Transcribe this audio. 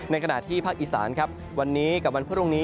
ขณะที่ภาคอีสานครับวันนี้กับวันพรุ่งนี้